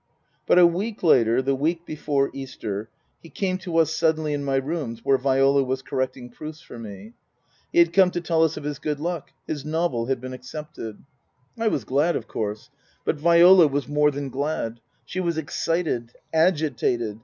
But a week later the week before Easter he came to us suddenly in my rooms where Viola was correcting proofs for me. He had come to tell us of his good luck. His novel had been accepted. Book I : My Book 51 I was glad, of course. But Viola was more than glad. She was excited, agitated.